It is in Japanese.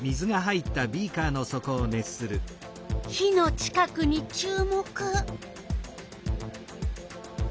火の近くに注目。